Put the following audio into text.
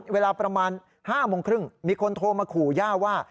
เวลาประมาณ๕โมงครึ่งมีคนโทรมาขู่ย่าว่า